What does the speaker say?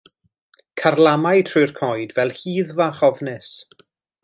Carlamai trwy'r coed fel hydd fach ofnus.